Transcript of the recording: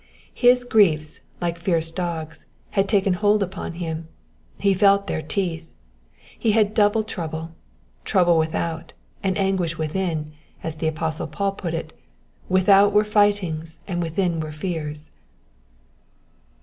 His griefs, bke fierce dogs, had taken hold upon him ; he felt their teeth. He had double trouble : trouble without and anguish within, as the apostle Paul put it, ^' without were fightings and within were fears.''